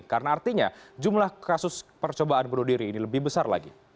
karena artinya jumlah kasus percobaan bunuh diri ini lebih besar lagi